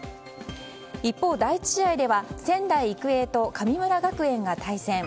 一方、第１試合では仙台育英と神村学園が対戦。